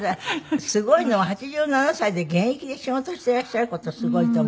すごいのは８７歳で現役で仕事をしていらっしゃる事すごいと思う。